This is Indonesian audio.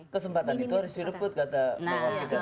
kesempatan itu harus direbut kata perempuan